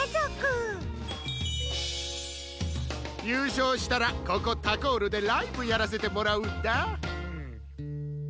ゆうしょうしたらここタコールでライブやらせてもらうんだ。